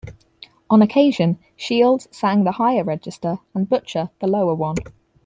On occasion Shields sang the higher register and Butcher the lower one.